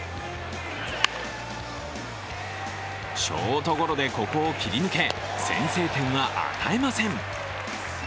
ショートゴロでここを切り抜け、先制点は与えません。